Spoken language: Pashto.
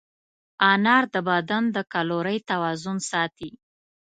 انار د بدن د کالورۍ توازن ساتي.